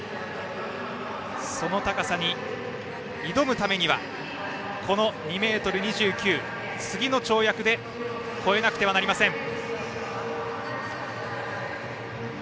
その高さに挑むためには２ｍ２９を次の跳躍で越えなくてはなりません。